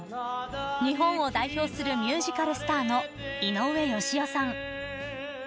日本を代表するミュージカルスターの井上芳雄さん。